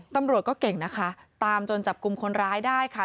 ตำรวจก็เก่งนะคะตามจนจับกลุ่มคนร้ายได้ค่ะ